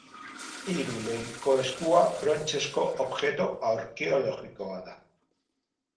Irulegiko Eskua brontzezko objektu arkeologikoa da